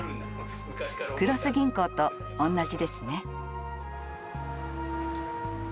黒須銀行と同じですね。